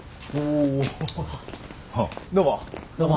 どうも。